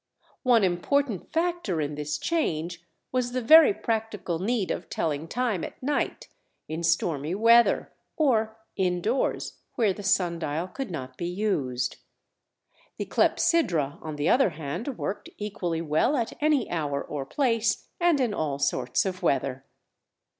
One important factor in this change was the very practical need of telling time at night, in stormy weather, or indoors, where the sun dial could not be used. The clepsydra, on the other hand, worked equally well at any hour or place, and in all sorts of weather.